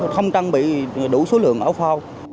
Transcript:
không trang bị đủ số lượng áo pha